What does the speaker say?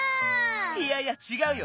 いやいやちがうよ。